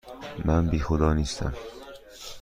من بی خدا هستم.